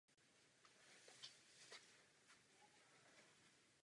Jeho díla se vyznačují mistrovským stylem a zájmem o nadpřirozené jevy.